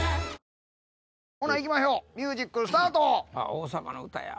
大阪の歌や！